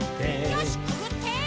よしくぐって！